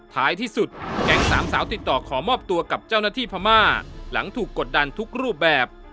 ท้ายที่สุดแก๊งสามสาวติดต่อขอมอบตัวกับเจ้าหน้าที่พม่าหลังถูกกดดันทุกรูปแบบ